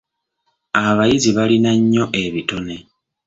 Abayizi balina nnyo ebitone.